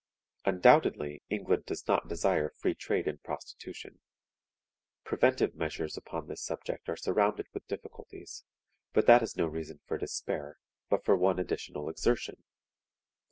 Undoubtedly England does not desire free trade in prostitution. Preventive measures upon this subject are surrounded with difficulties; but that is no reason for despair, but one for additional exertion.